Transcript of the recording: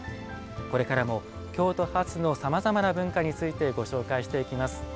これからも京都発のさまざまな文化についてご紹介していきます。